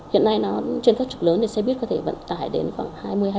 hiện nay trên các trục lớn xe buýt có thể vận tải đến khoảng hai mươi hai mươi năm